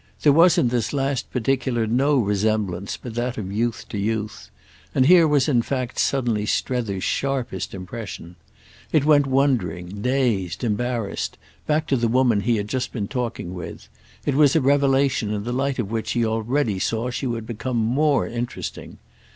There was in this last particular no resemblance but that of youth to youth; and here was in fact suddenly Strether's sharpest impression. It went wondering, dazed, embarrassed, back to the woman he had just been talking with; it was a revelation in the light of which he already saw she would become more interesting.